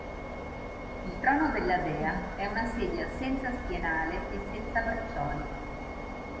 Il trono della dea è una sedia senza schienale e senza braccioli.